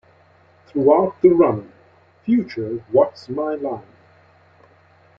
Throughout the run, future What's My Line?